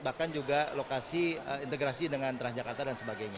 bahkan juga lokasi integrasi dengan transjakarta dan sebagainya